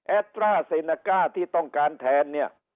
ตราซีนาก้าที่ต้องการแทนเนี่ย